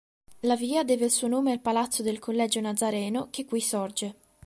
La via deve il suo nome al Palazzo del Collegio Nazareno che qui sorge.